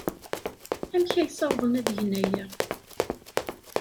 Amek ay ssawḍen ad gen aya?